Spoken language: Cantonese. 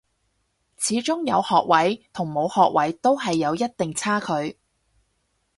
始終有學位同冇學位都係有一定差距